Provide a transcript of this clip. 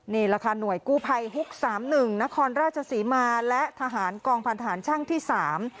นี่แหละค่ะหน่วยกู้ภัยฮุกสามหนึ่งนครราชศรีมาและทหารกองพันธารช่างที่สาม